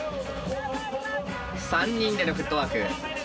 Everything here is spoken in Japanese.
３人でのフットワーク。